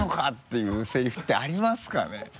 ていうセリフってありますかね？